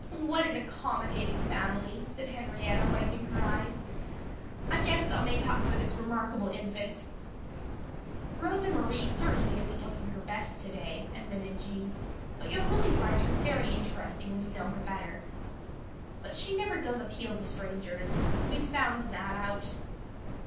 "What an accommodating family," said Henrietta, wiping her eyes. "I guess they'll make up for this remarkable infant." "Rosa Marie certainly isn't looking her best to day," admitted Jean, "but you'll really find her very interesting when you know her better. But she never does appeal to strangers we've found that out."